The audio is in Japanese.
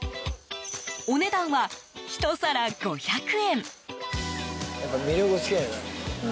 お値段は１皿５００円。